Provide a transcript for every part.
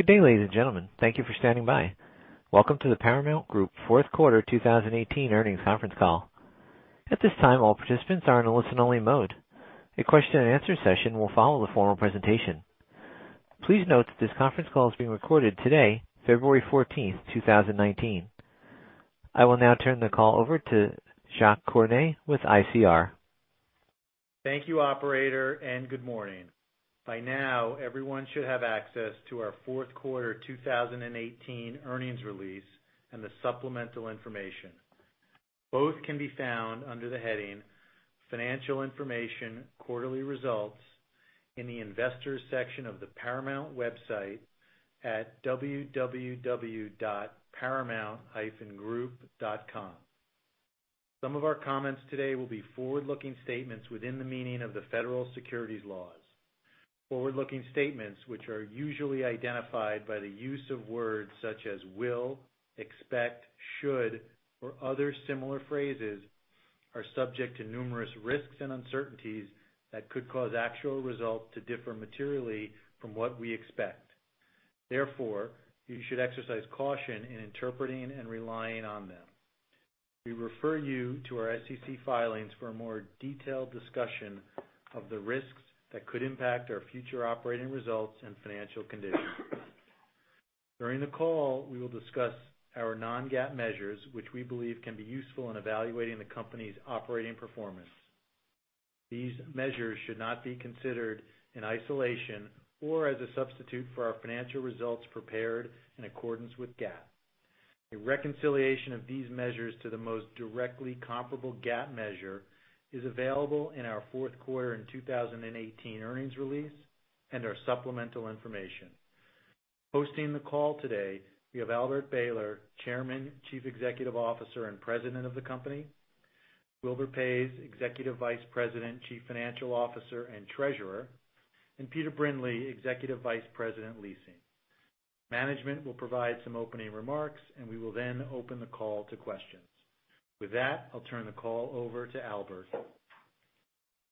Good day, ladies and gentlemen. Thank you for standing by. Welcome to the Paramount Group Fourth Quarter 2018 Earnings Conference Call. At this time, all participants are in a listen-only mode. A question and answer session will follow the formal presentation. Please note that this conference call is being recorded today, February 14th, 2019. I will now turn the call over to Jacques Cornet with ICR. Thank you, operator, and good morning. By now, everyone should have access to our fourth quarter 2018 earnings release and the supplemental information. Both can be found under the heading Financial Information, Quarterly Results in the Investors section of the Paramount website at www.paramount-group.com. Some of our comments today will be forward-looking statements within the meaning of the federal securities laws. Forward-looking statements, which are usually identified by the use of words such as will, expect, should, or other similar phrases, are subject to numerous risks and uncertainties that could cause actual results to differ materially from what we expect. You should exercise caution in interpreting and relying on them. We refer you to our SEC filings for a more detailed discussion of the risks that could impact our future operating results and financial conditions. During the call, we will discuss our non-GAAP measures, which we believe can be useful in evaluating the company's operating performance. These measures should not be considered in isolation or as a substitute for our financial results prepared in accordance with GAAP. A reconciliation of these measures to the most directly comparable GAAP measure is available in our fourth quarter 2018 earnings release and our supplemental information. Hosting the call today, we have Albert Behler, Chairman, Chief Executive Officer, and President of the company. Wilbur Paes, Executive Vice President, Chief Financial Officer, and Treasurer, and Peter Brindley, Executive Vice President, Leasing. Management will provide some opening remarks. We will then open the call to questions. With that, I'll turn the call over to Albert.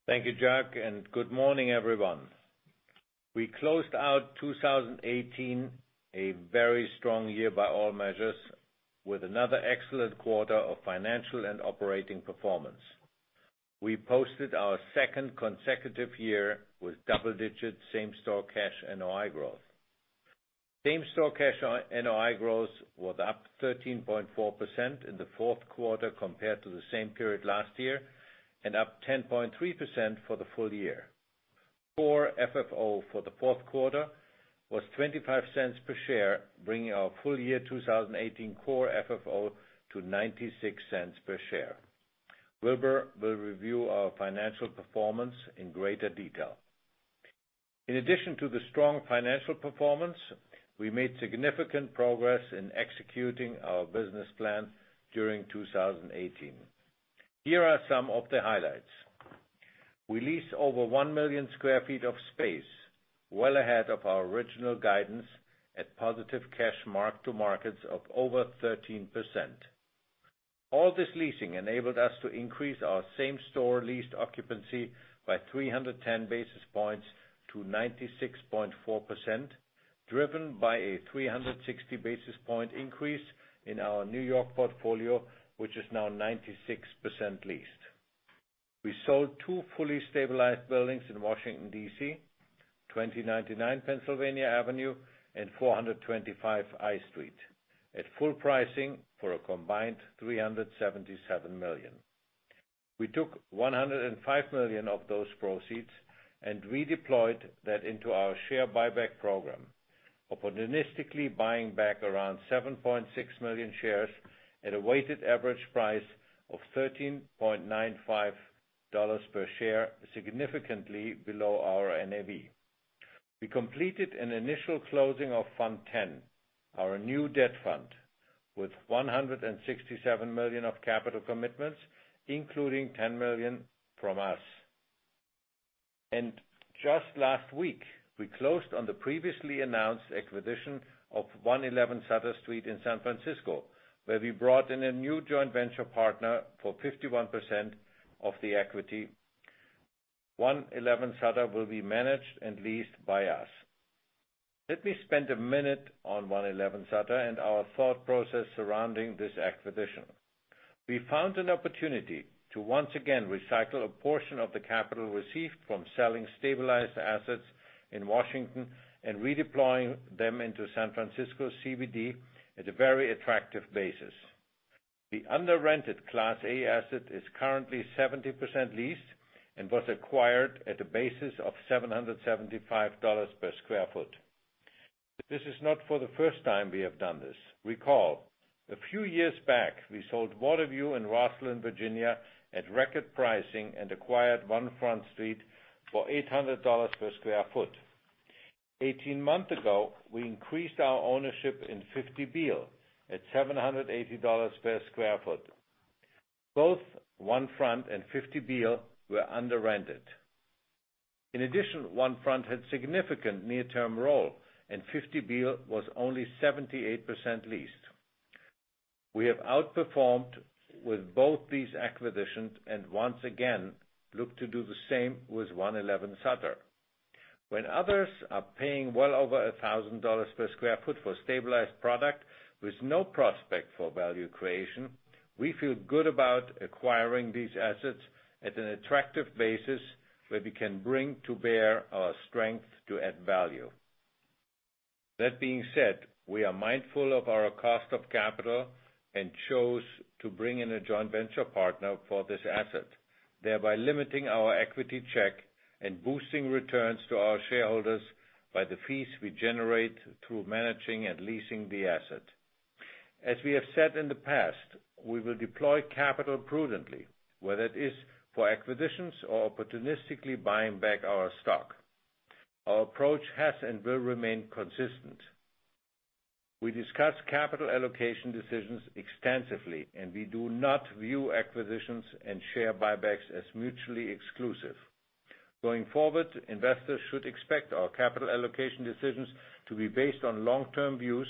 Thank you, Jacques, and good morning, everyone. We closed out 2018, a very strong year by all measures, with another excellent quarter of financial and operating performance. We posted our second consecutive year with double-digit same-store cash NOI growth. Same-store cash NOI growth was up 13.4% in the fourth quarter compared to the same period last year, and up 10.3% for the full-year. Core FFO for the fourth quarter was $0.25 per share, bringing our full-year 2018 core FFO to $0.96 per share. Wilbur will review our financial performance in greater detail. In addition to the strong financial performance, we made significant progress in executing our business plan during 2018. Here are some of the highlights. We leased over 1 million square feet of space well ahead of our original guidance at positive cash mark-to-markets of over 13%. All this leasing enabled us to increase our same-store leased occupancy by 310 basis points to 96.4%, driven by a 360 basis point increase in our New York portfolio, which is now 96% leased. We sold two fully stabilized buildings in Washington, D.C., 2099 Pennsylvania Avenue and 425 I Street, at full pricing for a combined $377 million. We took $105 million of those proceeds and redeployed that into our share buyback program, opportunistically buying back around 7.6 million shares at a weighted average price of $13.95 per share, significantly below our NAV. We completed an initial closing of Fund X, our new debt fund, with $167 million of capital commitments, including $10 million from us. Just last week, we closed on the previously announced acquisition of 111 Sutter Street in San Francisco, where we brought in a new joint venture partner for 51% of the equity. 111 Sutter will be managed and leased by us. Let me spend a minute on 111 Sutter and our thought process surrounding this acquisition. We found an opportunity to once again recycle a portion of the capital received from selling stabilized assets in Washington and redeploying them into San Francisco CBD at a very attractive basis. The under rented Class A asset is currently 70% leased and was acquired at a basis of $775 per square foot. This is not for the first time we have done this. Recall, a few years back, we sold Waterview in Rosslyn, Virginia, at record pricing and acquired One Front Street for $800 per square foot. 18 months ago, we increased our ownership in 50 Beale at $780 per square foot. Both One Front and 50 Beale were under rented. In addition, One Front had significant near-term roll, and 50 Beale was only 78% leased. We have outperformed with both these acquisitions, and once again, look to do the same with 111 Sutter. When others are paying well over $1,000 per square foot for a stabilized product with no prospect for value creation, we feel good about acquiring these assets at an attractive basis where we can bring to bear our strength to add value. That being said, we are mindful of our cost of capital and chose to bring in a joint venture partner for this asset, thereby limiting our equity check and boosting returns to our shareholders by the fees we generate through managing and leasing the asset. As we have said in the past, we will deploy capital prudently, whether it is for acquisitions or opportunistically buying back our stock. Our approach has and will remain consistent. We discuss capital allocation decisions extensively. We do not view acquisitions and share buybacks as mutually exclusive. Going forward, investors should expect our capital allocation decisions to be based on long-term views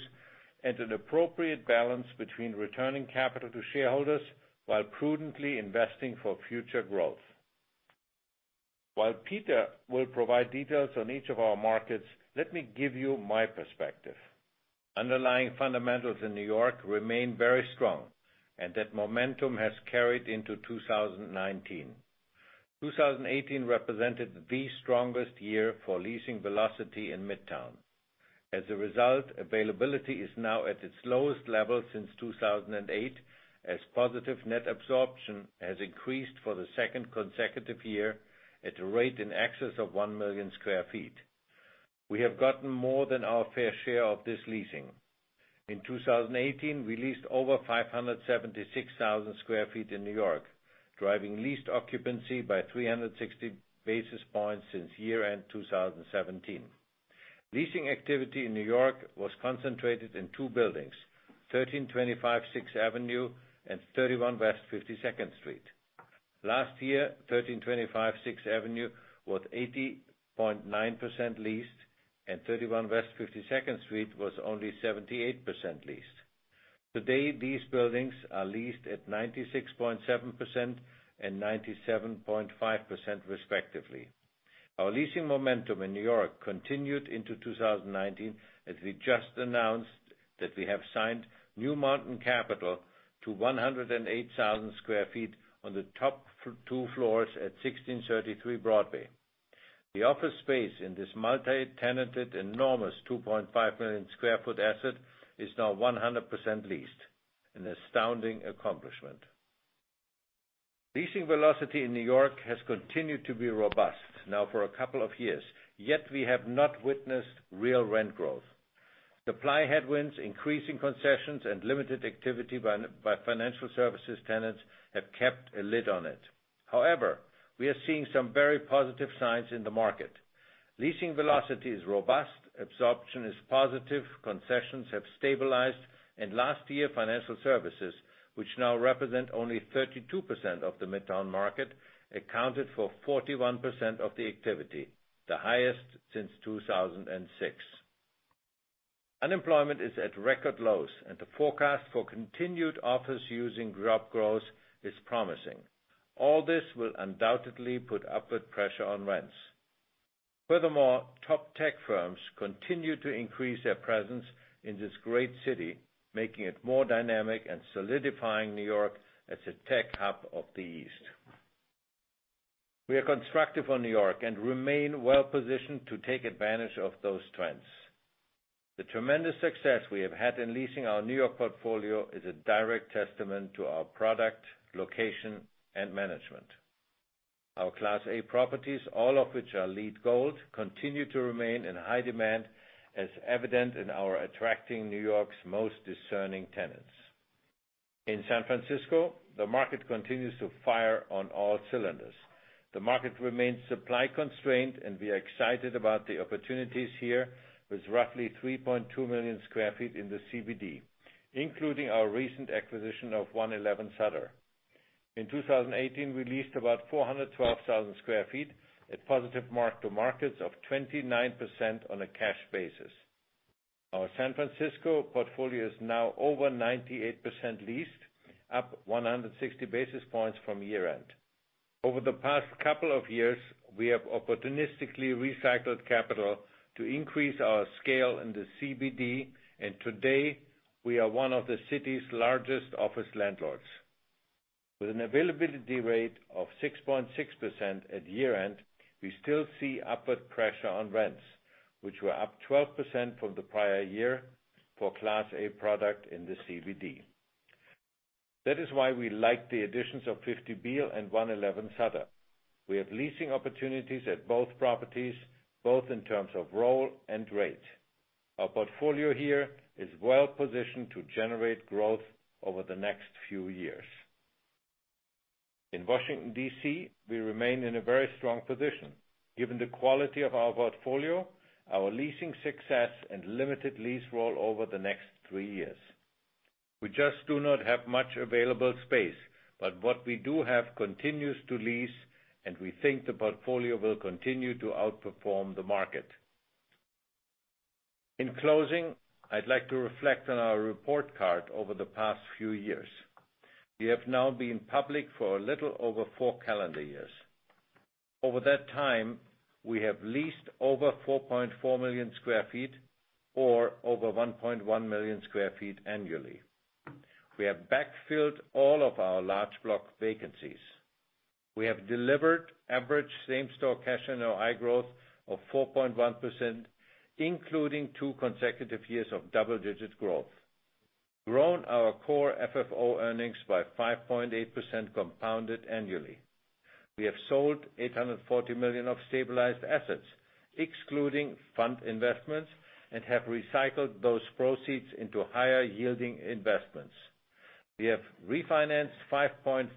and an appropriate balance between returning capital to shareholders while prudently investing for future growth. While Peter will provide details on each of our markets, let me give you my perspective. Underlying fundamentals in New York remain very strong, and that momentum has carried into 2019. 2018 represented the strongest year for leasing velocity in Midtown. As a result, availability is now at its lowest level since 2008, as positive net absorption has increased for the second consecutive year at a rate in excess of one million square feet. We have gotten more than our fair share of this leasing. In 2018, we leased over 576,000 square feet in New York, driving leased occupancy by 360 basis points since year-end 2017. Leasing activity in New York was concentrated in two buildings, 1325 Sixth Avenue and 31 West 52nd Street. Last year, 1325 Sixth Avenue was 80.9% leased, and 31 West 52nd Street was only 78% leased. Today, these buildings are leased at 96.7% and 97.5% respectively. Our leasing momentum in New York continued into 2019 as we just announced that we have signed New Mountain Capital to 108,000 square feet on the top two floors at 1633 Broadway. The office space in this multi-tenanted, enormous 2.5 million square foot asset is now 100% leased, an astounding accomplishment. Leasing velocity in New York has continued to be robust now for a couple of years, we have not witnessed real rent growth. Supply headwinds, increasing concessions, and limited activity by financial services tenants have kept a lid on it. However, we are seeing some very positive signs in the market. Leasing velocity is robust, absorption is positive, concessions have stabilized. Last year financial services, which now represent only 32% of the Midtown market, accounted for 41% of the activity, the highest since 2006. Unemployment is at record lows, the forecast for continued office-using job growth is promising. All this will undoubtedly put upward pressure on rents. Furthermore, top tech firms continue to increase their presence in this great city, making it more dynamic and solidifying New York as a tech hub of the East. We are constructive on New York, remain well positioned to take advantage of those trends. The tremendous success we have had in leasing our New York portfolio is a direct testament to our product, location, and management. Our Class A properties, all of which are LEED Gold, continue to remain in high demand, as evident in our attracting New York's most discerning tenants. In San Francisco, the market continues to fire on all cylinders. The market remains supply-constrained, we are excited about the opportunities here with roughly 3.2 million square feet in the CBD, including our recent acquisition of 111 Sutter. In 2018, we leased about 412,000 square feet at positive mark-to-markets of 29% on a cash basis. Our San Francisco portfolio is now over 98% leased, up 160 basis points from year-end. Over the past couple of years, we have opportunistically recycled capital to increase our scale in the CBD. Today, we are one of the city's largest office landlords. With an availability rate of 6.6% at year-end, we still see upward pressure on rents, which were up 12% from the prior year for Class A product in the CBD. That is why we like the additions of 50 Beale and 111 Sutter. We have leasing opportunities at both properties, both in terms of roll and rate. Our portfolio here is well positioned to generate growth over the next few years. In Washington, D.C., we remain in a very strong position, given the quality of our portfolio, our leasing success, limited lease roll over the next three years. We just do not have much available space, what we do have continues to lease, we think the portfolio will continue to outperform the market. In closing, I'd like to reflect on our report card over the past few years. We have now been public for a little over four calendar years. Over that time, we have leased over 4.4 million square feet or over 1.1 million square feet annually. We have backfilled all of our large block vacancies. We have delivered average same-store cash NOI growth of 4.1%, including two consecutive years of double-digit growth, grown our core FFO earnings by 5.8% compounded annually. We have sold $840 million of stabilized assets, excluding fund investments, and have recycled those proceeds into higher yielding investments. We have refinanced $5.5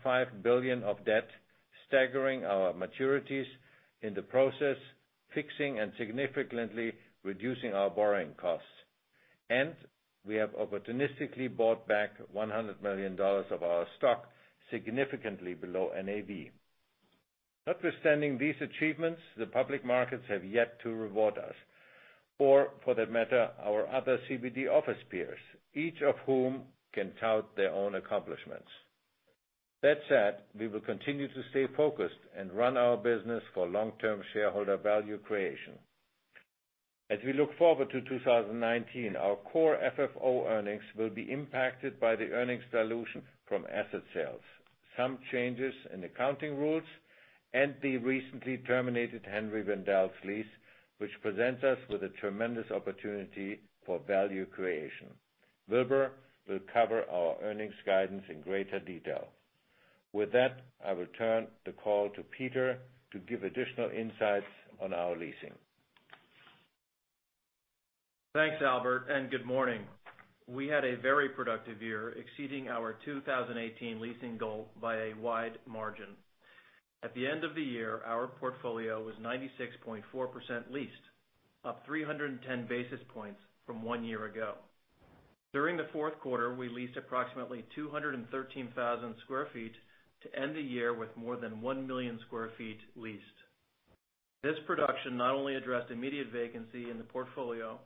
billion of debt, staggering our maturities in the process, fixing and significantly reducing our borrowing costs. We have opportunistically bought back $100 million of our stock, significantly below NAV. Notwithstanding these achievements, the public markets have yet to reward us, or for that matter, our other CBD office peers, each of whom can tout their own accomplishments. That said, we will continue to stay focused and run our business for long-term shareholder value creation. As we look forward to 2019, our core FFO earnings will be impacted by the earnings dilution from asset sales, some changes in accounting rules, and the recently terminated Henri Bendel's lease, which presents us with a tremendous opportunity for value creation. Wilbur will cover our earnings guidance in greater detail. With that, I will turn the call to Peter to give additional insights on our leasing. Thanks, Albert, and good morning. We had a very productive year, exceeding our 2018 leasing goal by a wide margin. At the end of the year, our portfolio was 96.4% leased, up 310 basis points from one year ago. During the fourth quarter, we leased approximately 213,000 square feet to end the year with more than 1 million square feet leased. This production not only addressed immediate vacancy in the portfolio,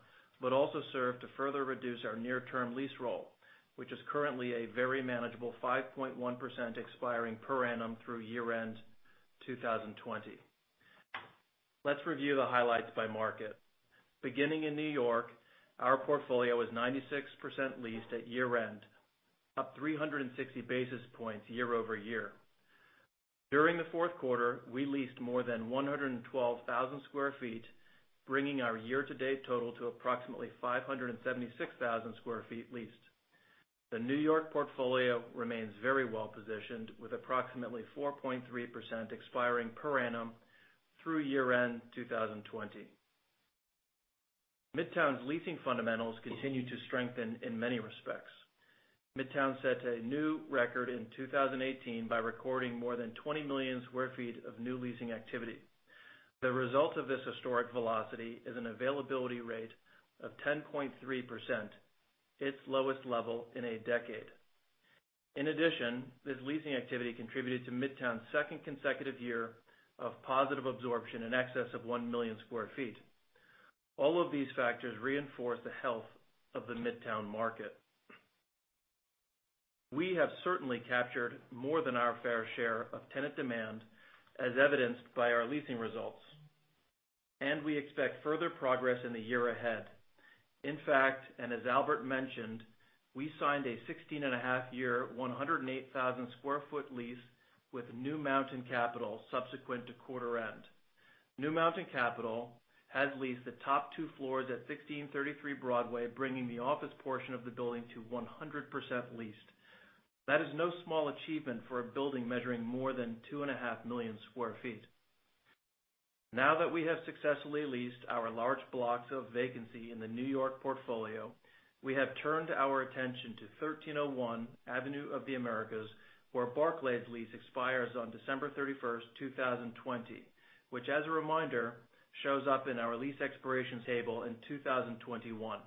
but also served to further reduce our near-term lease roll, which is currently a very manageable 5.1% expiring per annum through year-end 2020. Let's review the highlights by market. Beginning in New York, our portfolio was 96% leased at year-end, up 360 basis points year-over-year. During the fourth quarter, we leased more than 112,000 square feet, bringing our year-to-date total to approximately 576,000 square feet leased. The New York portfolio remains very well positioned, with approximately 4.3% expiring per annum through year-end 2020. Midtown's leasing fundamentals continue to strengthen in many respects. Midtown set a new record in 2018 by recording more than 20 million square feet of new leasing activity. The result of this historic velocity is an availability rate of 10.3%, its lowest level in a decade. In addition, this leasing activity contributed to Midtown's second consecutive year of positive absorption in excess of 1 million square feet. All of these factors reinforce the health of the Midtown market. We have certainly captured more than our fair share of tenant demand, as evidenced by our leasing results, and we expect further progress in the year ahead. In fact, and as Albert mentioned, we signed a 16 and a half year, 108,000 square foot lease with New Mountain Capital subsequent to quarter end. New Mountain Capital has leased the top two floors at 1633 Broadway, bringing the office portion of the building to 100% leased. That is no small achievement for a building measuring more than two and a half million square feet. We have successfully leased our large blocks of vacancy in the New York portfolio. We have turned our attention to 1301 Avenue of the Americas, where Barclays lease expires on December 31st, 2020, which as a reminder, shows up in our lease expiration table in 2021.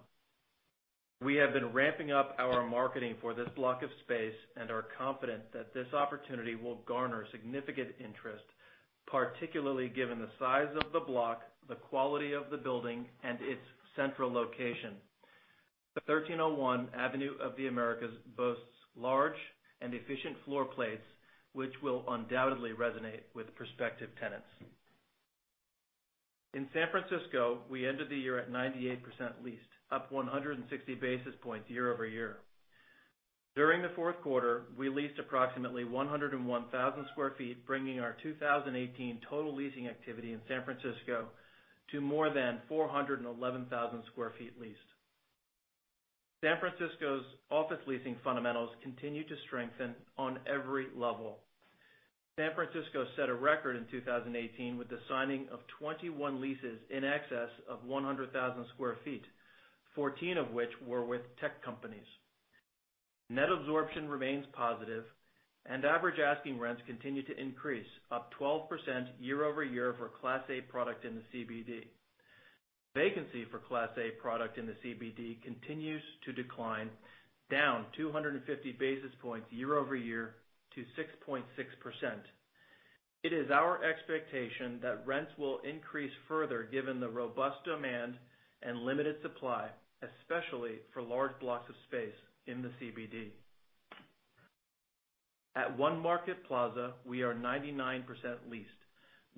We have been ramping up our marketing for this block of space and are confident that this opportunity will garner significant interest, particularly given the size of the block, the quality of the building, and its central location. The 1301 Avenue of the Americas boasts large and efficient floor plates, which will undoubtedly resonate with prospective tenants. In San Francisco, we ended the year at 98% leased, up 160 basis points year-over-year. During the fourth quarter, we leased approximately 101,000 square feet, bringing our 2018 total leasing activity in San Francisco to more than 411,000 square feet leased. San Francisco's office leasing fundamentals continue to strengthen on every level. San Francisco set a record in 2018 with the signing of 21 leases in excess of 100,000 square feet, 14 of which were with tech companies. Net absorption remains positive, and average asking rents continue to increase, up 12% year-over-year for Class A product in the CBD. Vacancy for Class A product in the CBD continues to decline, down 250 basis points year-over-year to 6.6%. It is our expectation that rents will increase further given the robust demand and limited supply, especially for large blocks of space in the CBD. At One Market Plaza, we are 99% leased.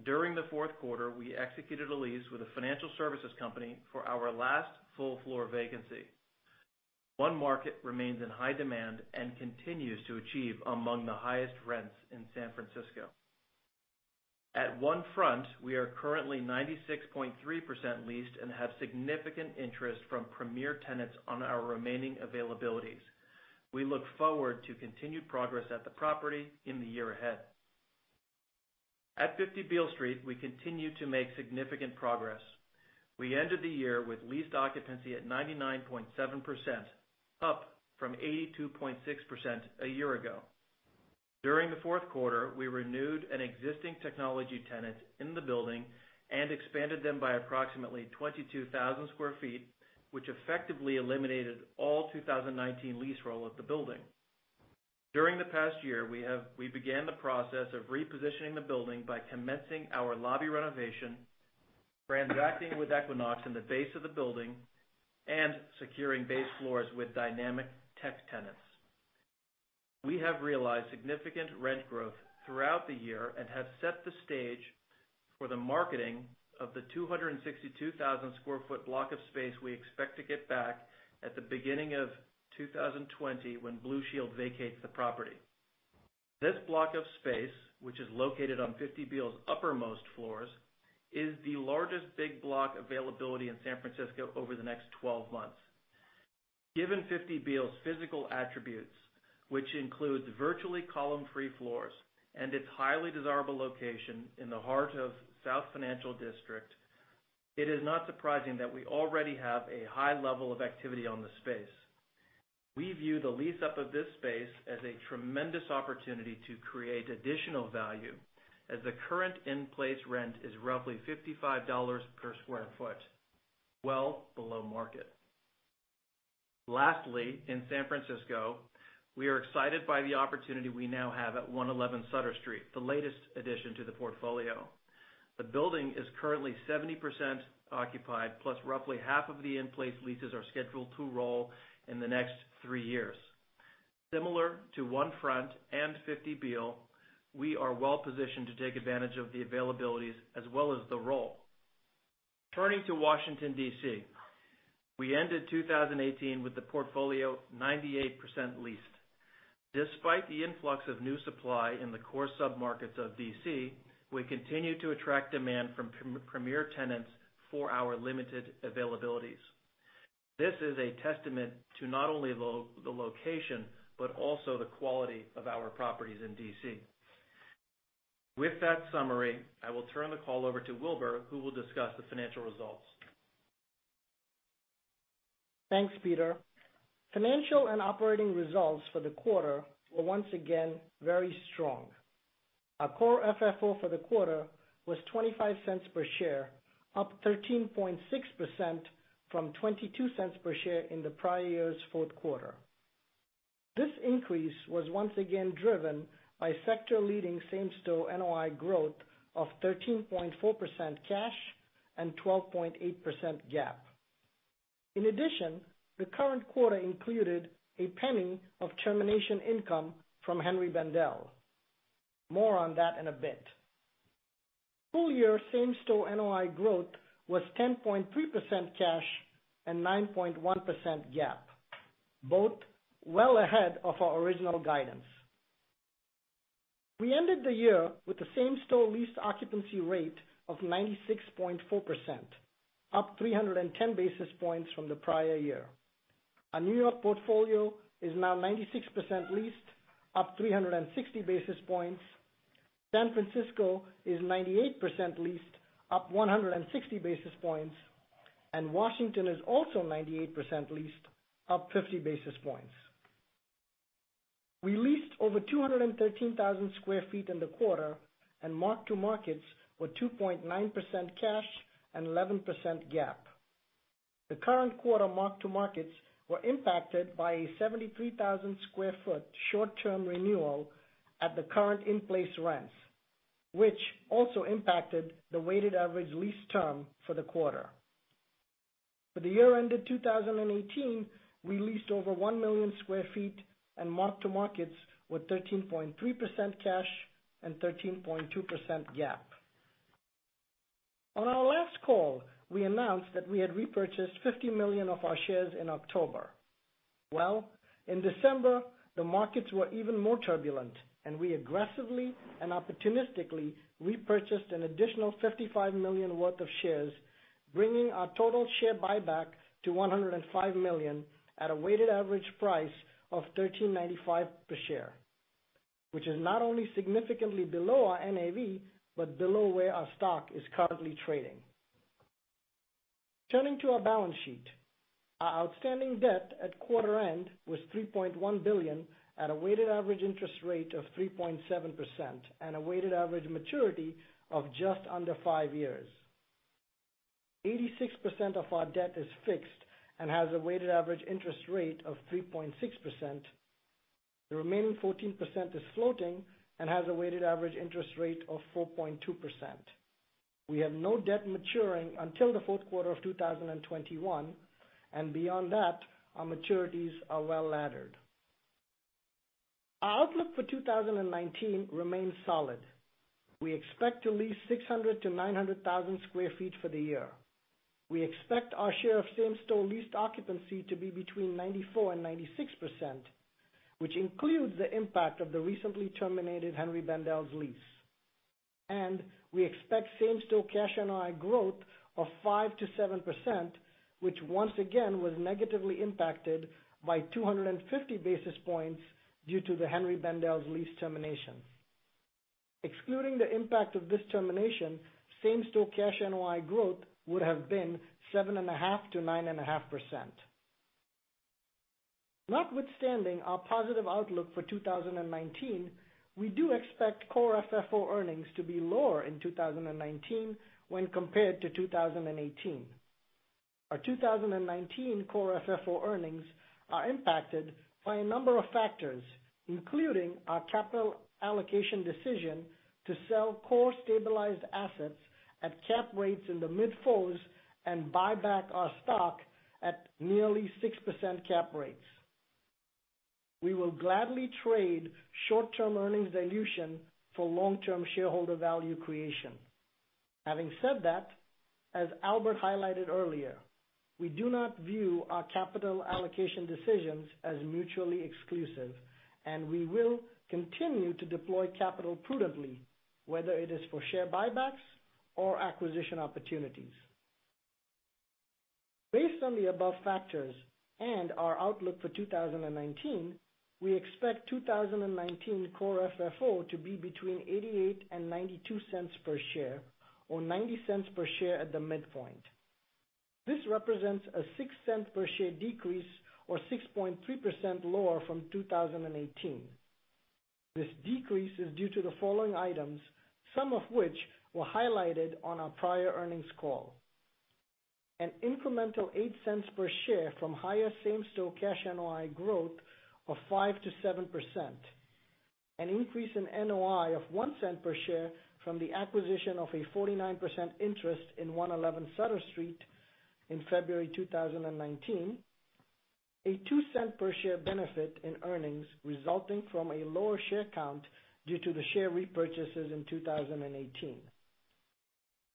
During the fourth quarter, we executed a lease with a financial services company for our last full-floor vacancy. One Market remains in high demand and continues to achieve among the highest rents in San Francisco. At One Front, we are currently 96.3% leased and have significant interest from premier tenants on our remaining availabilities. We look forward to continued progress at the property in the year ahead. At 50 Beale Street, we continue to make significant progress. We ended the year with leased occupancy at 99.7%, up from 82.6% a year ago. During the fourth quarter, we renewed an existing technology tenant in the building and expanded them by approximately 22,000 square feet, which effectively eliminated all 2019 lease roll at the building. During the past year, we began the process of repositioning the building by commencing our lobby renovation, transacting with Equinox in the base of the building, and securing base floors with dynamic tech tenants. We have realized significant rent growth throughout the year and have set the stage for the marketing of the 262,000 square foot block of space we expect to get back at the beginning of 2020 when Blue Shield vacates the property. This block of space, which is located on 50 Beale's uppermost floors, is the largest big block availability in San Francisco over the next 12 months. Given 50 Beale's physical attributes, which include virtually column-free floors and its highly desirable location in the heart of South Financial District, it is not surprising that we already have a high level of activity on the space. We view the lease-up of this space as a tremendous opportunity to create additional value, as the current in-place rent is roughly $55 per square foot, well below market. Lastly, in San Francisco, we are excited by the opportunity we now have at 111 Sutter Street, the latest addition to the portfolio. The building is currently 70% occupied, plus roughly half of the in-place leases are scheduled to roll in the next three years. Similar to One Front and 50 Beale, we are well positioned to take advantage of the availabilities as well as the roll. Turning to Washington, D.C. We ended 2018 with the portfolio 98% leased. Despite the influx of new supply in the core submarkets of D.C., we continue to attract demand from premier tenants for our limited availabilities. This is a testament to not only the location, but also the quality of our properties in D.C. With that summary, I will turn the call over to Wilbur, who will discuss the financial results. Thanks, Peter. Financial and operating results for the quarter were once again very strong. Our core FFO for the quarter was $0.25 per share, up 13.6% from $0.22 per share in the prior year's fourth quarter. This increase was once again driven by sector-leading same-store NOI growth of 13.4% cash and 12.8% GAAP. In addition, the current quarter included $0.01 of termination income from Henri Bendel. More on that in a bit. Full-year same-store NOI growth was 10.3% cash and 9.1% GAAP, both well ahead of our original guidance. We ended the year with the same-store leased occupancy rate of 96.4%, up 310 basis points from the prior year. Our New York portfolio is now 96% leased, up 360 basis points. San Francisco is 98% leased, up 160 basis points, and Washington is also 98% leased, up 50 basis points. We leased over 213,000 sq ft in the quarter and mark-to-markets were 2.9% cash and 11% GAAP. The current quarter mark-to-markets were impacted by a 73,000 sq ft short-term renewal at the current in-place rents, which also impacted the weighted average lease term for the quarter. For the year ended 2018, we leased over 1 million sq ft and mark-to-markets were 13.3% cash and 13.2% GAAP. On our last call, we announced that we had repurchased 50 million of our shares in October. Well, in December, the markets were even more turbulent, and we aggressively and opportunistically repurchased an additional 55 million worth of shares, bringing our total share buyback to 105 million at a weighted average price of $13.95 per share, which is not only significantly below our NAV, but below where our stock is currently trading. Turning to our balance sheet. Our outstanding debt at quarter end was $3.1 billion at a weighted average interest rate of 3.7% and a weighted average maturity of just under five years. 86% of our debt is fixed and has a weighted average interest rate of 3.6%. The remaining 14% is floating and has a weighted average interest rate of 4.2%. We have no debt maturing until the fourth quarter of 2021, and beyond that, our maturities are well laddered. Our outlook for 2019 remains solid. We expect to lease 600,000 to 900,000 sq ft for the year. We expect our share of same-store leased occupancy to be between 94% and 96%, which includes the impact of the recently terminated Henri Bendel's lease. We expect same-store cash NOI growth of 5% to 7%, which once again, was negatively impacted by 250 basis points due to the Henri Bendel's lease termination. Excluding the impact of this termination, same-store cash NOI growth would have been 7.5% to 9.5%. Notwithstanding our positive outlook for 2019, we do expect core FFO earnings to be lower in 2019 when compared to 2018. Our 2019 core FFO earnings are impacted by a number of factors, including our capital allocation decision to sell core stabilized assets at cap rates in the mid fours and buy back our stock at nearly 6% cap rates. We will gladly trade short-term earnings dilution for long-term shareholder value creation. Having said that, as Albert highlighted earlier, we do not view our capital allocation decisions as mutually exclusive, we will continue to deploy capital prudently, whether it is for share buybacks or acquisition opportunities. Based on the above factors and our outlook for 2019, we expect 2019 core FFO to be between $0.88 and $0.92 per share, or $0.90 per share at the midpoint. This represents a $0.06 per share decrease or 6.3% lower from 2018. This decrease is due to the following items, some of which were highlighted on our prior earnings call. An incremental $0.08 per share from higher same-store cash NOI growth of 5% to 7%. An increase in NOI of $0.01 per share from the acquisition of a 49% interest in 111 Sutter Street in February 2019. A $0.02 per share benefit in earnings resulting from a lower share count due to the share repurchases in 2018.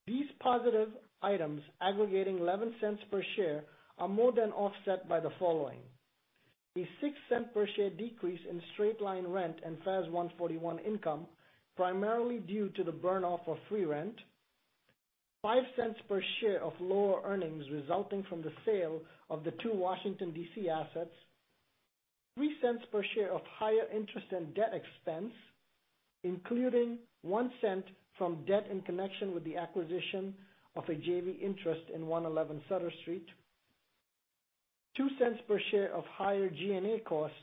These positive items aggregating $0.11 per share are more than offset by the following: A $0.06 per share decrease in straight-line rent and FAS 141 income, primarily due to the burn-off of free rent. $0.05 per share of lower earnings resulting from the sale of the two Washington, D.C. assets. $0.03 per share of higher interest and debt expense, including $0.01 from debt in connection with the acquisition of a JV interest in 111 Sutter Street. $0.02 per share of higher G&A costs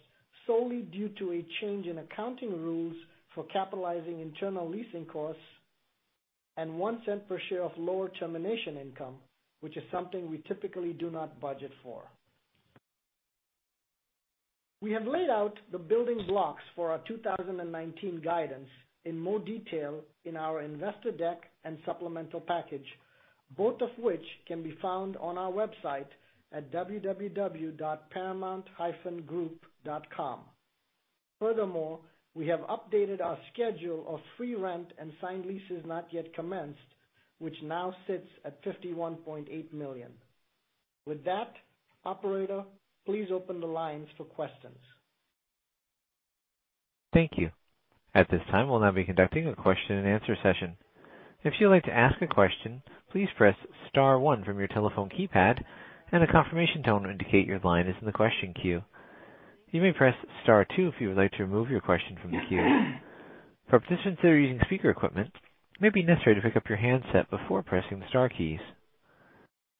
solely due to a change in accounting rules for capitalizing internal leasing costs, and $0.01 per share of lower termination income, which is something we typically do not budget for. We have laid out the building blocks for our 2019 guidance in more detail in our investor deck and supplemental package, both of which can be found on our website at www.paramount-group.com. We have updated our schedule of free rent and signed leases not yet commenced, which now sits at $51.8 million. Operator, please open the lines for questions. Thank you. At this time, we'll now be conducting a question and answer session. If you'd like to ask a question, please press *1 from your telephone keypad, and a confirmation tone will indicate your line is in the question queue. You may press *2 if you would like to remove your question from the queue. For participants that are using speaker equipment, it may be necessary to pick up your handset before pressing the star keys.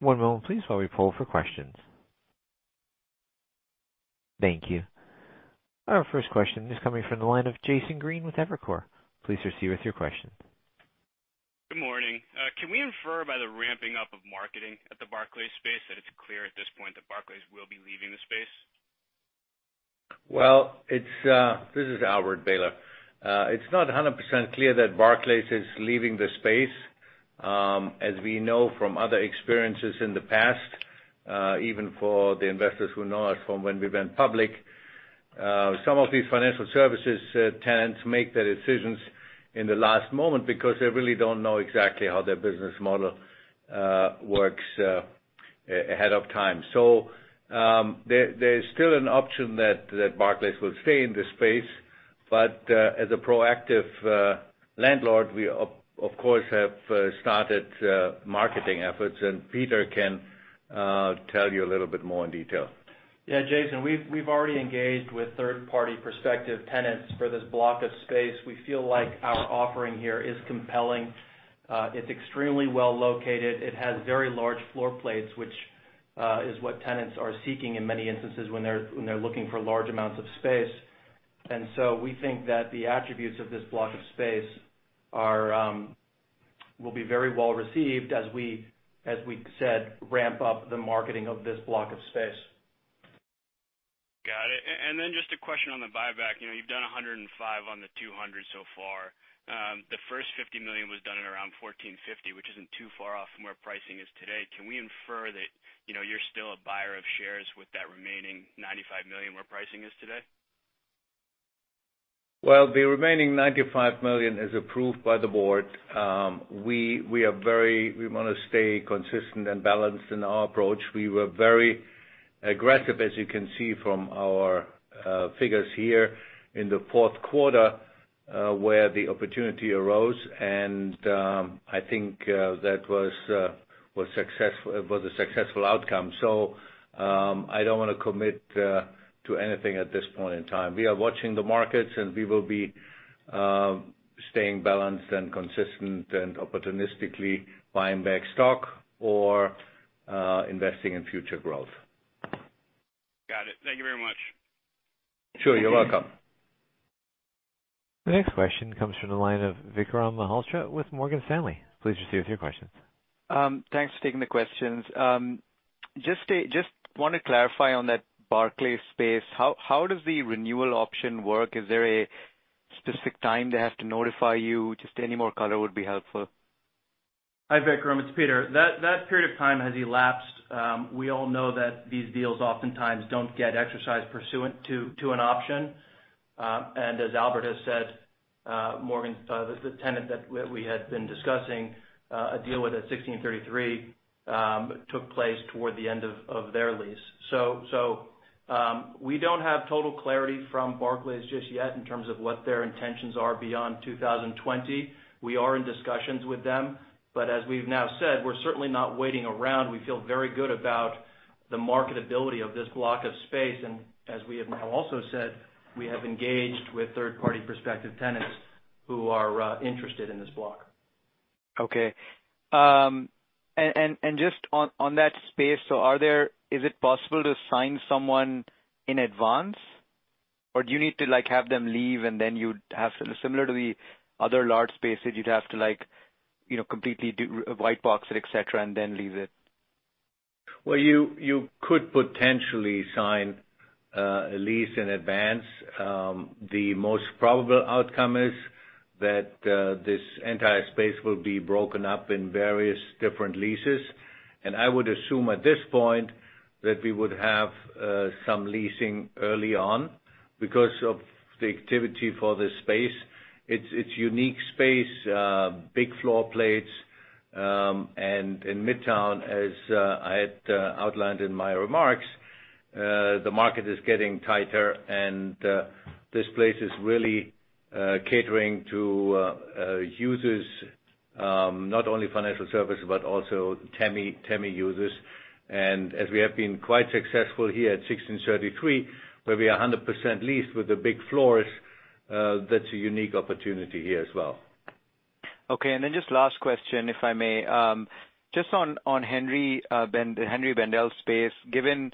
One moment, please, while we poll for questions. Thank you. Our first question is coming from the line of Jason Green with Evercore. Please proceed with your question. Good morning. Can we infer by the ramping up of marketing at the Barclays space that it's clear at this point that Barclays will be leaving the space? This is Albert Behler. It's not 100% clear that Barclays is leaving the space. As we know from other experiences in the past, even for the investors who know us from when we went public, some of these financial services tenants make their decisions in the last moment because they really don't know exactly how their business model works ahead of time. There's still an option that Barclays will stay in the space. As a proactive landlord, we of course have started marketing efforts, and Peter can tell you a little bit more in detail. Jason, we've already engaged with third-party prospective tenants for this block of space. We feel like our offering here is compelling. It's extremely well located. It has very large floor plates, which is what tenants are seeking in many instances when they're looking for large amounts of space. We think that the attributes of this block of space will be very well received as we said, ramp up the marketing of this block of space. Got it. Just a question on the buyback. You've done $105 on the $200 so far. The first $50 million was done at around $14.50, which isn't too far off from where pricing is today. Can we infer that you're still a buyer of shares with that remaining $95 million where pricing is today? The remaining $95 million is approved by the board. We want to stay consistent and balanced in our approach. We were very aggressive, as you can see from our figures here in the fourth quarter, where the opportunity arose, and I think that was a successful outcome. I don't want to commit to anything at this point in time. We are watching the markets, and we will be staying balanced and consistent and opportunistically buying back stock or investing in future growth. Got it. Thank you very much. Sure, you're welcome. The next question comes from the line of Vikram Malhotra with Morgan Stanley. Please proceed with your questions. Thanks for taking the questions. Just want to clarify on that Barclays space, how does the renewal option work? Is there a specific time they have to notify you? Just any more color would be helpful. Hi, Vikram, it's Peter. That period of time has elapsed. We all know that these deals oftentimes don't get exercised pursuant to an option. As Albert has said, the tenant that we had been discussing a deal with at 1633 took place toward the end of their lease. We don't have total clarity from Barclays just yet in terms of what their intentions are beyond 2020. We are in discussions with them, as we've now said, we're certainly not waiting around. We feel very good about the marketability of this block of space. As we have now also said, we have engaged with third-party prospective tenants who are interested in this block. Okay. Just on that space, is it possible to sign someone in advance? Do you need to have them leave and then you'd have similar to the other large spaces, you'd have to completely white box it, et cetera, and then lease it? Well, you could potentially sign a lease in advance. The most probable outcome is that this entire space will be broken up in various different leases. I would assume at this point that we would have some leasing early on because of the activity for the space. It's unique space, big floor plates. In Midtown, as I had outlined in my remarks, the market is getting tighter, and this place is really catering to users, not only financial service, but also TAMI users. As we have been quite successful here at 1633, where we are 100% leased with the big floors, that's a unique opportunity here as well. Okay, just last question, if I may. Just on Henri Bendel's space, given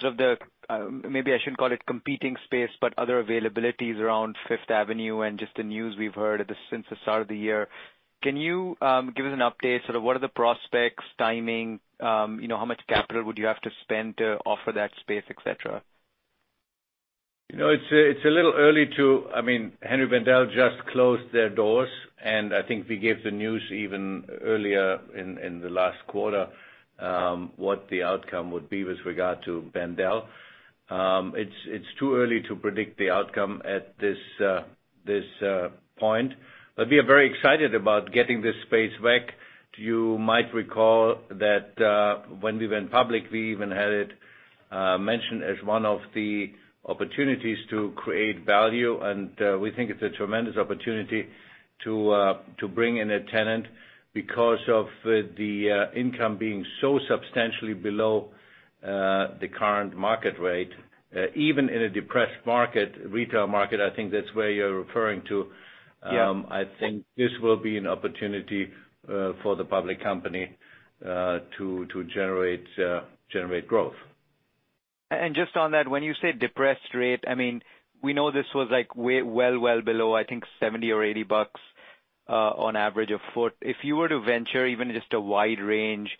sort of the, maybe I shouldn't call it competing space, other availabilities around Fifth Avenue and just the news we've heard since the start of the year. Can you give us an update, sort of what are the prospects, timing, how much capital would you have to spend to offer that space, et cetera? Henri Bendel just closed their doors, and I think we gave the news even earlier in the last quarter what the outcome would be with regard to Bendel. It's too early to predict the outcome at this point. We are very excited about getting this space back. You might recall that when we went public, we even had it mentioned as one of the opportunities to create value. We think it's a tremendous opportunity to bring in a tenant because of the income being so substantially below the current market rate. Even in a depressed market, retail market, I think that's where you're referring to. Yeah I think this will be an opportunity for the public company to generate growth. Just on that, when you say depressed rate, we know this was well below, I think, $70 or $80 on average a foot. If you were to venture even just a wide range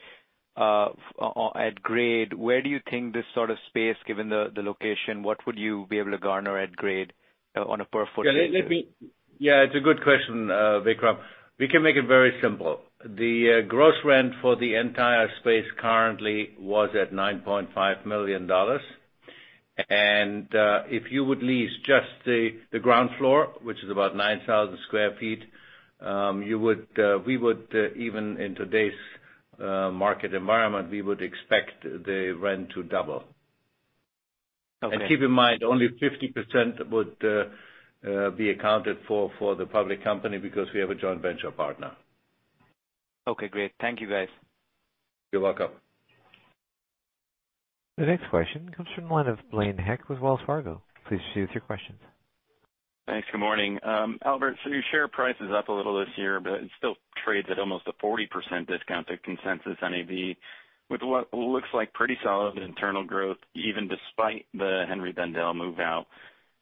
at grade, where do you think this sort of space, given the location, what would you be able to garner at grade on a per foot basis? Yeah, it's a good question, Vikram. We can make it very simple. The gross rent for the entire space currently was at $9.5 million. If you would lease just the ground floor, which is about 9,000 square feet, even in today's market environment, we would expect the rent to double. Okay. Keep in mind, only 50% would be accounted for the public company because we have a joint venture partner. Okay, great. Thank you guys. You're welcome. The next question comes from the line of Blaine Heck with Wells Fargo. Please proceed with your questions. Thanks. Good morning. Albert, your share price is up a little this year, but it still trades at almost a 40% discount to consensus NAV with what looks like pretty solid internal growth, even despite the Henri Bendel move-out.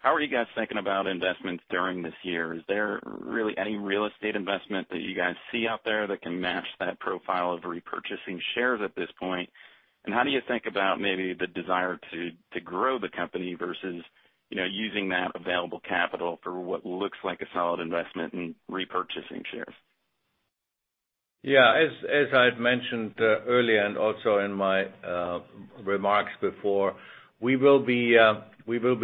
How are you guys thinking about investments during this year? Is there really any real estate investment that you guys see out there that can match that profile of repurchasing shares at this point? How do you think about maybe the desire to grow the company versus using that available capital for what looks like a solid investment in repurchasing shares? As I've mentioned earlier, and also in my remarks before, we will be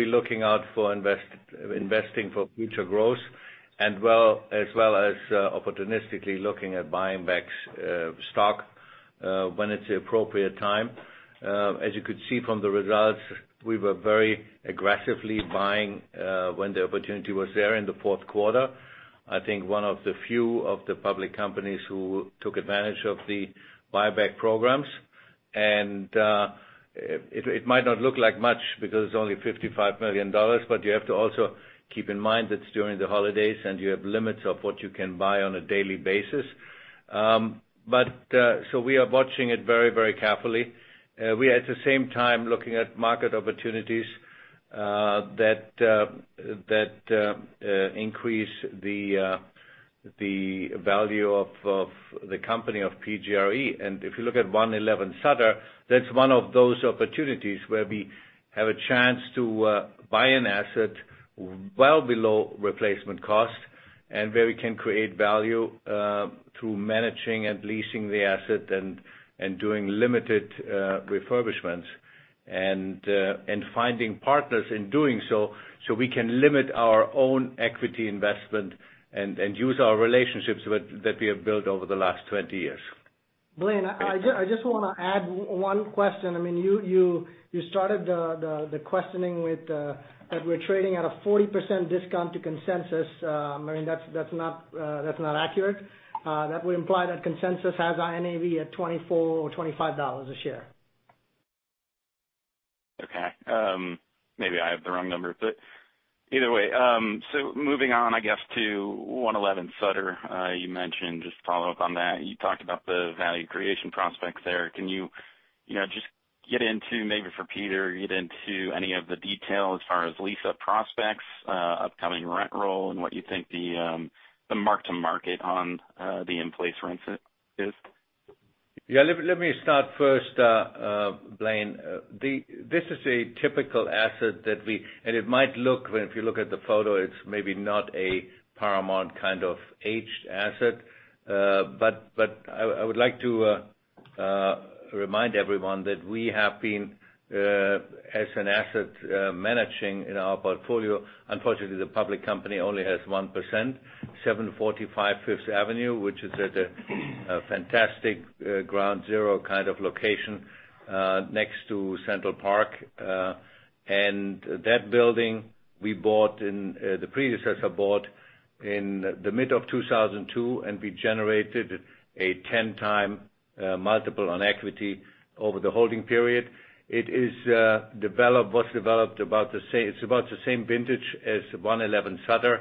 looking out for investing for future growth, as well as opportunistically looking at buying back stock when it's the appropriate time. As you could see from the results, we were very aggressively buying when the opportunity was there in the fourth quarter. I think one of the few of the public companies who took advantage of the buyback programs. It might not look like much, because it's only $55 million, but you have to also keep in mind that it's during the holidays, and you have limits of what you can buy on a daily basis. We are watching it very carefully. We, at the same time, looking at market opportunities that increase the value of the company, of PGRE. If you look at 111 Sutter, that's one of those opportunities where we have a chance to buy an asset well below replacement cost, and where we can create value through managing and leasing the asset, and doing limited refurbishments, and finding partners in doing so we can limit our own equity investment and use our relationships that we have built over the last 20 years. Blaine, I just want to add one question. You started the questioning with that we're trading at a 40% discount to consensus. That's not accurate. That would imply that consensus has our NAV at $24 or $25 a share. Okay. Maybe I have the wrong number, but either way. Moving on, I guess, to 111 Sutter. You mentioned, just to follow up on that, you talked about the value creation prospects there. Can you just get into, maybe for Peter, get into any of the detail as far as lease-up prospects, upcoming rent roll, and what you think the mark-to-market on the in-place rents is? Yeah. Let me start first, Blaine. This is a typical asset that we and it might look, if you look at the photo, it's maybe not a Paramount kind of aged asset. I would like to remind everyone that we have been, as an asset managing in our portfolio, unfortunately, the public company only has 1%, 745 Fifth Avenue, which is at a fantastic ground zero kind of location next to Central Park. That building, the predecessor bought in the mid of 2002, and we generated a 10x multiple on equity over the holding period. It's about the same vintage as 111 Sutter,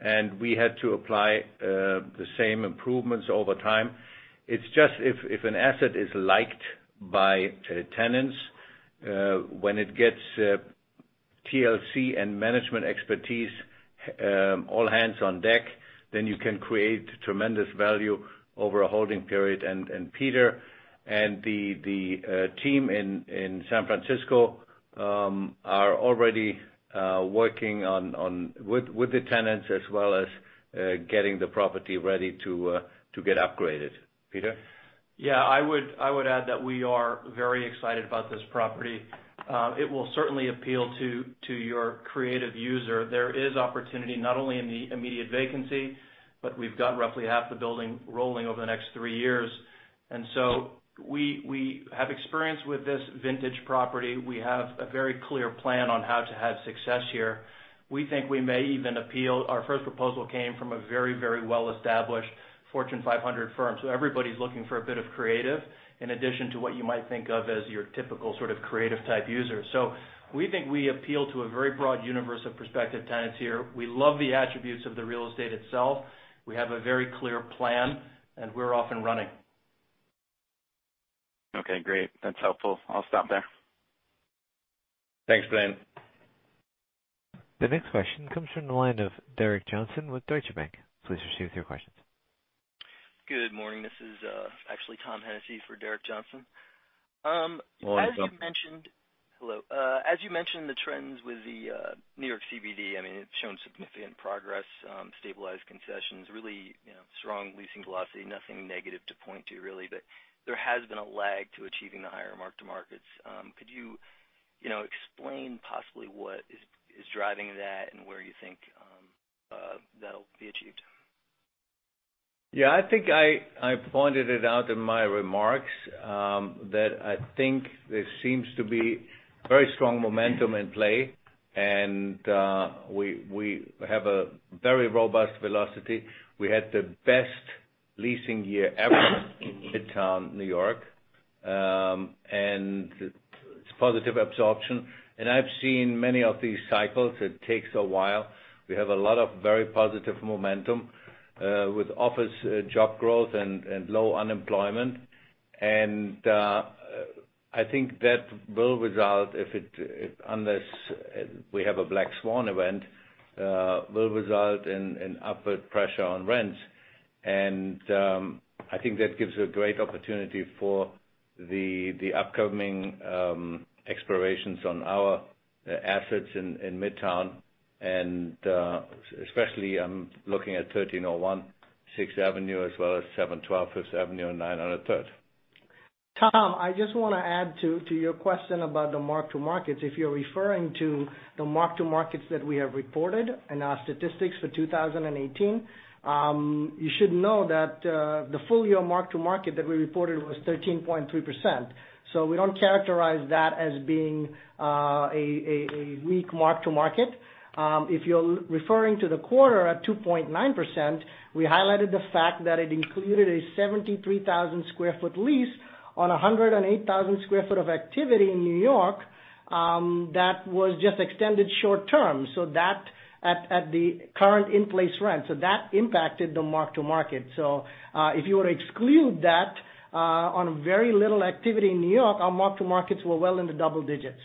and we had to apply the same improvements over time. It's just if an asset is liked by tenants when it gets TLC and management expertise all hands on deck, you can create tremendous value over a holding period. Peter and the team in San Francisco are already working with the tenants as well as getting the property ready to get upgraded. Peter? Yeah, I would add that we are very excited about this property. It will certainly appeal to your creative user. There is opportunity not only in the immediate vacancy, but we've got roughly half the building rolling over the next three years. We have experience with this vintage property. We have a very clear plan on how to have success here. We think we may even appeal. Our first proposal came from a very well-established Fortune 500 firm. Everybody's looking for a bit of creative in addition to what you might think of as your typical sort of creative type user. We think we appeal to a very broad universe of prospective tenants here. We love the attributes of the real estate itself. We have a very clear plan, and we're off and running. Okay, great. That's helpful. I'll stop there. Thanks, Blaine. The next question comes from the line of Derek Johnson with Deutsche Bank. Please proceed with your questions. Good morning. This is actually Tom Hennessy for Derek Johnson. Good morning, Tom. Hello. As you mentioned, the trends with the New York CBD, it's shown significant progress, stabilized concessions, really strong leasing velocity, nothing negative to point to, really, but there has been a lag to achieving the higher mark-to-markets. Could you explain possibly what is driving that, and where you think that'll be achieved? Yeah, I think I pointed it out in my remarks, that I think there seems to be very strong momentum in play, and we have a very robust velocity. We had the best leasing year ever in Midtown, New York. It's positive absorption, and I've seen many of these cycles. It takes a while. We have a lot of very positive momentum, with office job growth and low unemployment. I think that will result, unless we have a black swan event, will result in upward pressure on rents. I think that gives a great opportunity for the upcoming expirations on our assets in Midtown and, especially, looking at 1301 Sixth Avenue, as well as 712 Fifth Avenue and 900 Third Avenue. Tom, I just want to add to your question about the mark-to-markets. If you're referring to the mark-to-markets that we have reported in our statistics for 2018, you should know that the full year mark-to-market that we reported was 13.3%. We don't characterize that as being a weak mark-to-market. If you're referring to the quarter at 2.9%, we highlighted the fact that it included a 73,000 square foot lease on 108,000 square foot of activity in New York, that was just extended short term, so at the current in-place rent. That impacted the mark-to-market. If you were to exclude that, on very little activity in New York, our mark-to-markets were well in the double digits.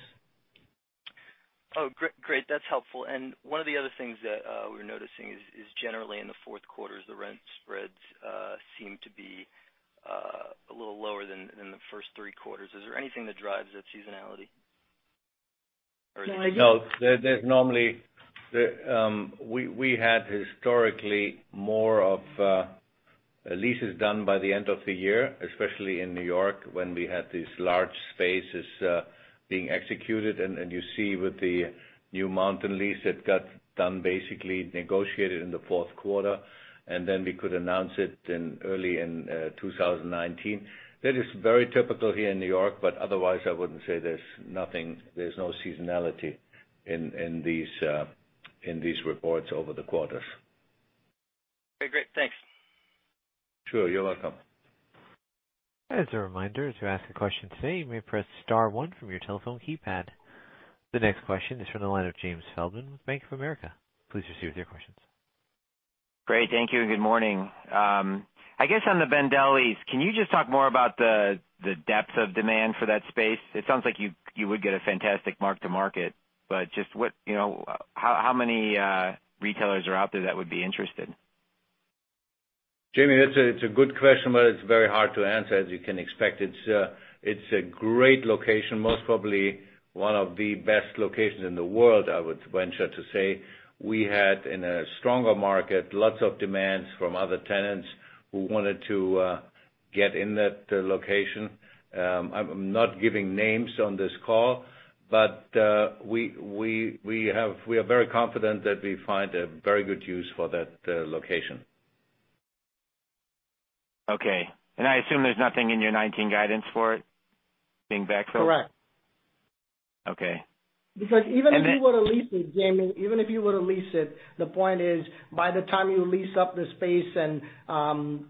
Oh, great. That's helpful. One of the other things that we're noticing is generally in the fourth quarters, the rent spreads seem to be a little lower than the first three quarters. Is there anything that drives that seasonality? No, there's We had historically more of leases done by the end of the year, especially in New York when we had these large spaces being executed. You see with the New Mountain lease that got done basically negotiated in the fourth quarter, then we could announce it early in 2019. That is very typical here in New York, otherwise I wouldn't say there's no seasonality in these reports over the quarters. Okay, great. Thanks. Sure. You're welcome. As a reminder, to ask a question today, you may press star one from your telephone keypad. The next question is from the line of James Feldman with Bank of America. Please proceed with your questions. Great. Thank you and good morning. I guess on the Bendel lease, can you just talk more about the depth of demand for that space? It sounds like you would get a fantastic mark-to-market, but just how many retailers are out there that would be interested? Jamie, that's a good question, but it's very hard to answer. As you can expect, it's a great location. Most probably one of the best locations in the world, I would venture to say. We had, in a stronger market, lots of demands from other tenants who wanted to get in that location. I'm not giving names on this call, but we are very confident that we find a very good use for that location. Okay. I assume there's nothing in your 2019 guidance for it being backfill? Correct. Okay. Even if you were to lease it, Jamie, even if you were to lease it, the point is, by the time you lease up the space and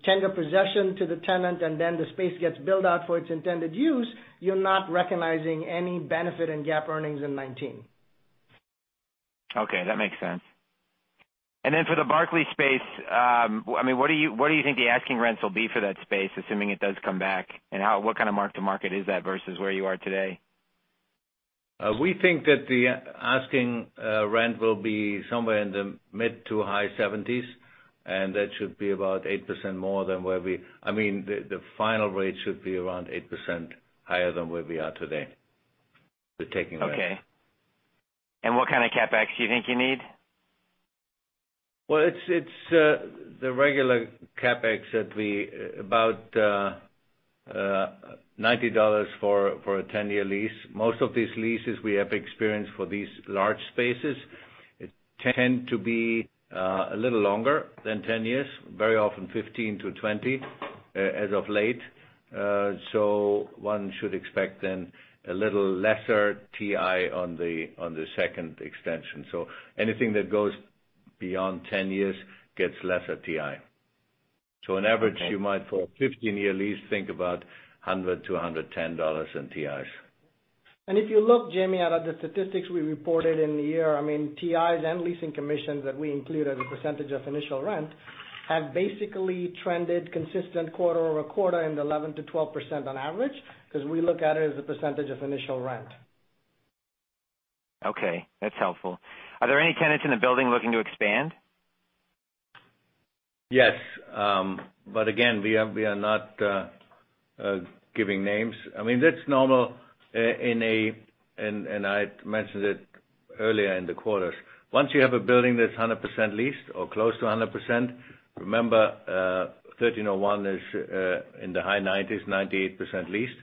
tender possession to the tenant, then the space gets built out for its intended use, you're not recognizing any benefit in GAAP earnings in 2019. Okay. That makes sense. Then for the Barclays space, what do you think the asking rents will be for that space, assuming it does come back? What kind of mark-to-market is that versus where you are today? We think that the asking rent will be somewhere in the mid to high $70s. That should be about 8% higher than where we are today with taking that. Okay. What kind of CapEx do you think you need? It's the regular CapEx that we about $90 for a 10-year lease. Most of these leases we have experienced for these large spaces tend to be a little longer than 10 years, very often 15-20 as of late. One should expect then a little lesser TI on the second extension. Anything that goes beyond 10 years gets lesser TI. On average, you might, for a 15-year lease, think about $100-$110 in TIs. If you look, Jamie, at the statistics we reported in the year, TIs and leasing commissions that we include as a percentage of initial rent have basically trended consistent quarter-over-quarter in the 11%-12% on average, because we look at it as a percentage of initial rent. Okay. That's helpful. Are there any tenants in the building looking to expand? Yes. Again, we are not giving names. That's normal in a. I mentioned it earlier in the quarters. Once you have a building that's 100% leased or close to 100%, remember, 1301 is in the high 90s, 98% leased.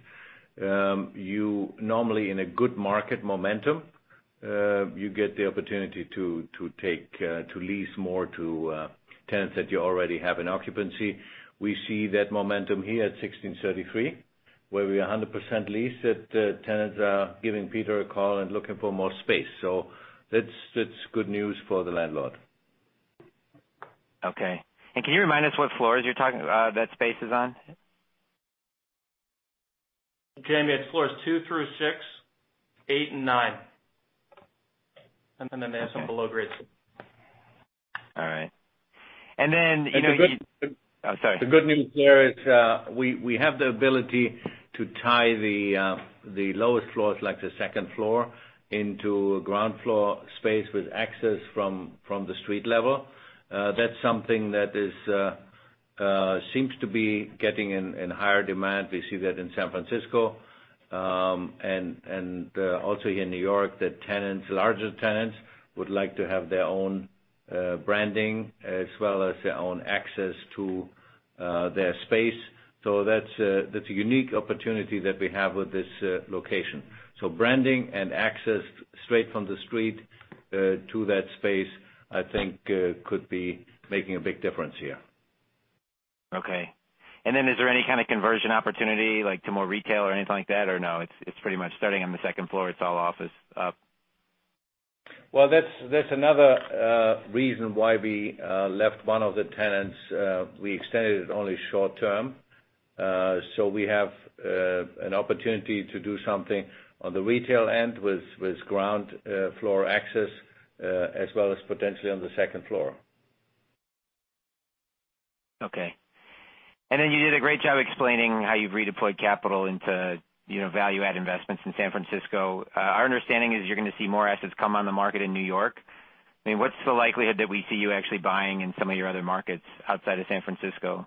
You normally in a good market momentum, you get the opportunity to lease more to tenants that you already have in occupancy. We see that momentum here at 1633, where we are 100% leased, that tenants are giving Peter a call and looking for more space. That's good news for the landlord. Okay. Can you remind us what floors that space is on? Jamie, it's floors 2 through 6, 8 and 9. They have some below grade too. All right. The good- Oh, sorry. The good news there is, we have the ability to tie the lowest floors, like the second floor, into ground floor space with access from the street level. That's something that seems to be getting in higher demand. We see that in San Francisco, and also here in New York, that larger tenants would like to have their own branding as well as their own access to their space. That's a unique opportunity that we have with this location. Branding and access straight from the street to that space, I think could be making a big difference here. Okay. Is there any kind of conversion opportunity, like to more retail or anything like that, or no? It's pretty much starting on the second floor, it's all office up. Well, that's another reason why we left one of the tenants. We extended it only short-term. We have an opportunity to do something on the retail end with ground floor access, as well as potentially on the second floor. Okay. You did a great job explaining how you've redeployed capital into value add investments in San Francisco. Our understanding is you're going to see more assets come on the market in New York. What's the likelihood that we see you actually buying in some of your other markets outside of San Francisco?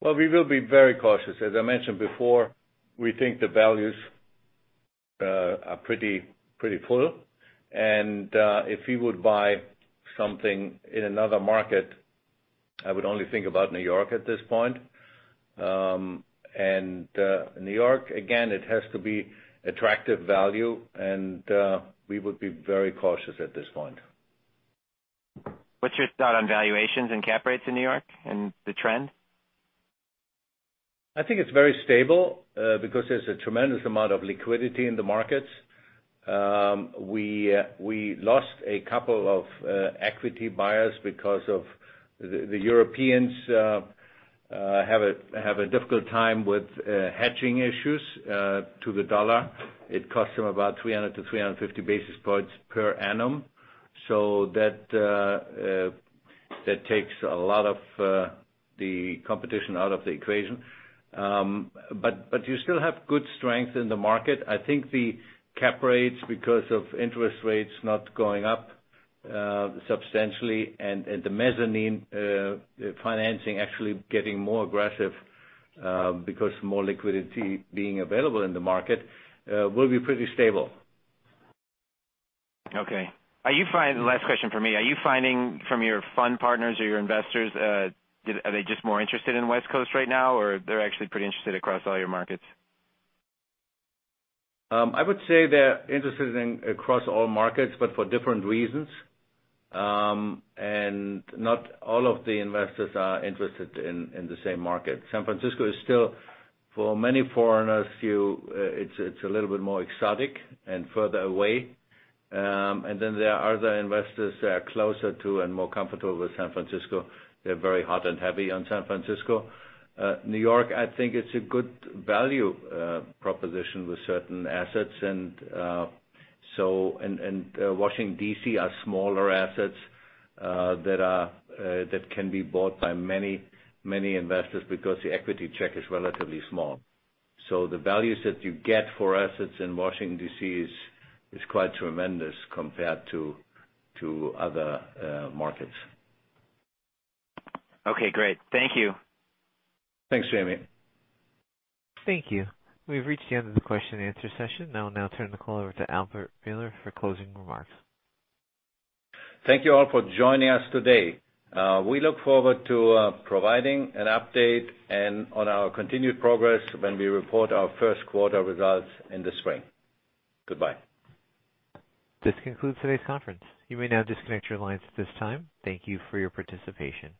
Well, we will be very cautious. As I mentioned before, we think the values are pretty full, and, if we would buy something in another market, I would only think about New York at this point. New York, again, it has to be attractive value, and we would be very cautious at this point. What's your thought on valuations and cap rates in New York and the trend? I think it's very stable because there's a tremendous amount of liquidity in the markets. We lost a couple of equity buyers because the Europeans have a difficult time with hedging issues to the dollar. It costs them about 300 to 350 basis points per annum. That takes a lot of the competition out of the equation. You still have good strength in the market. I think the cap rates, because of interest rates not going up substantially, and the mezzanine financing actually getting more aggressive because more liquidity being available in the market, will be pretty stable. Okay. Last question from me. Are you finding from your fund partners or your investors, are they just more interested in West Coast right now, or they're actually pretty interested across all your markets? I would say they're interested in across all markets, but for different reasons. Not all of the investors are interested in the same market. San Francisco is still, for many foreigners, it's a little bit more exotic and further away. Then there are the investors that are closer to and more comfortable with San Francisco. They're very hot and heavy on San Francisco. New York, I think it's a good value proposition with certain assets. Washington, D.C. are smaller assets that can be bought by many investors because the equity check is relatively small. The values that you get for assets in Washington, D.C. is quite tremendous compared to other markets. Okay, great. Thank you. Thanks, Jamie. Thank you. We've reached the end of the question and answer session. I will now turn the call over to Albert Behler for closing remarks. Thank you all for joining us today. We look forward to providing an update and on our continued progress when we report our first quarter results in the spring. Goodbye. This concludes today's conference. You may now disconnect your lines at this time. Thank you for your participation.